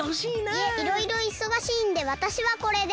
いえいろいろいそがしいんでわたしはこれで。